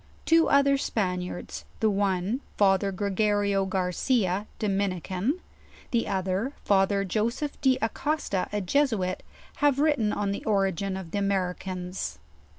Two other Span iards, the one Father Gregorio Garcia, Dominican; the other Father Joseph De Acosta, a Jesuit, have written on the ori gin of the Americans.